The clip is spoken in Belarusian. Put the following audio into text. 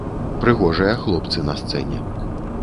Прыгожыя хлопцы на сцэне.